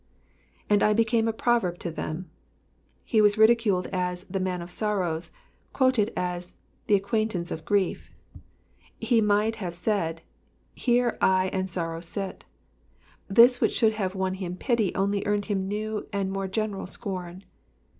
^^And I became a proverb to thetn,"" He was ridiculed as '* the man of sorrows/' quoted as *' the acquaintance of grief.'' He might have said, here I and sorrow sit.'' This which should have won him pity only earned him new and more general scorn.